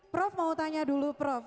prof mau tanya dulu prof